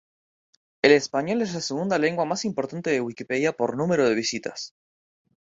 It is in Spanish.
El español es la segunda lengua más importante de Wikipedia por número de visitas.